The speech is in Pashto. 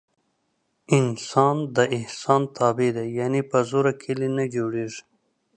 انسان د احسان تابع دی. یعنې په زور کلي نه جوړېږي.